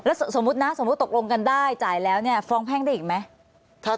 แล้วสมมุตินะสมมุติตกลงกันได้จ่ายแล้วเนี่ยฟ้องแพ่งได้อีกไหม